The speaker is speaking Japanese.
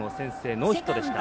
ノーヒットでした。